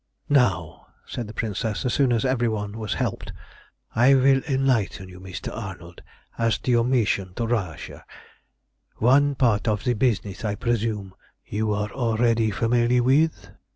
"Now," said the Princess, as soon as every one was helped, "I will enlighten you, Mr. Arnold, as to your mission to Russia. One part of the business, I presume, you are already familiar with?"